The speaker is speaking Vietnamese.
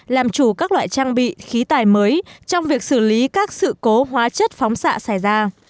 làm chủ các loại trang bị khí tài mới trong việc xử lý các sự cố hóa chất phóng xạ xảy ra